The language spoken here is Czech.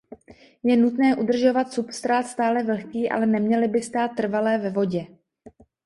Je nutné udržovat substrát stále vlhký ale neměly by stát trvale ve vodě.